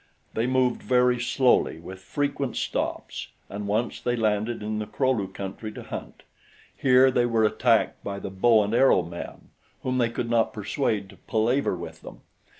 They moved very slowly with frequent stops and once they landed in the Kro lu country to hunt. Here they were attacked by the bow and arrow men, whom they could not persuade to palaver with them.